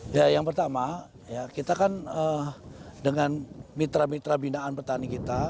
ya yang pertama kita kan dengan mitra mitra binaan petani kita